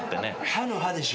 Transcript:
歯の歯でしょ？